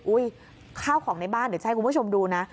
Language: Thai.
ข้าวของในบ้านเดี๋ยวจะให้คุณผู้ชมดูนะ